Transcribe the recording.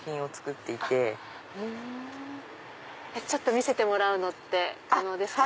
見せてもらうのって可能ですか？